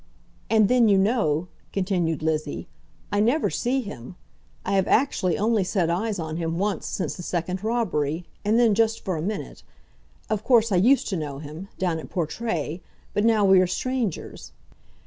"And then, you know," continued Lizzie, "I never see him. I have actually only set eyes on him once since the second robbery, and then just for a minute. Of course, I used to know him, down at Portray, but now we are strangers."